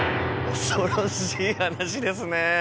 恐ろしい話ですね。